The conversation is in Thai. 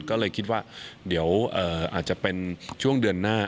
ก็เลยคิดว่าเดี๋ยวอาจจะเป็นช่วงเดือนหน้า